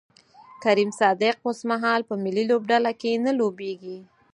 کریم صادق اوسمهال په ملي لوبډله کې نه لوبیږي